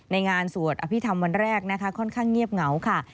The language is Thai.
งานสวดอภิษฐรรมวันแรกนะคะค่อนข้างเงียบเหงาค่ะ